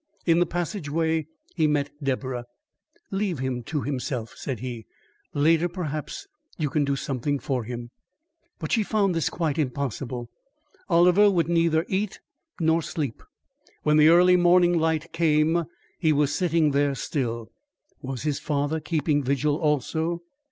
In the passageway he met Deborah. "Leave him to himself," said he. "Later, perhaps, you can do something for him." But she found this quite impossible. Oliver would neither eat nor sleep. When the early morning light came, he was sitting there still. Was his father keeping vigil also?